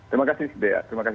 terima kasih dea